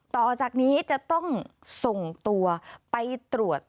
ต่อจากนี้จะต้องส่งตัวไปตรวจ